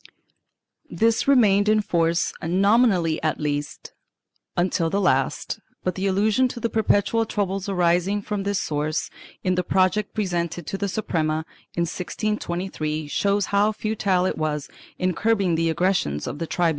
2 This remained in force nominally at least, until the last, but the allusion to the perpetual troubles arising from this source, in the project pre sented to the Suprema in 1623, shows how futile it was in curbing the aggressions of the tribunals.